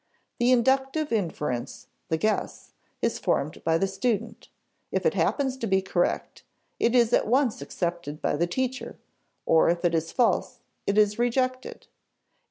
The inductive inference, the guess, is formed by the student; if it happens to be correct, it is at once accepted by the teacher; or if it is false, it is rejected.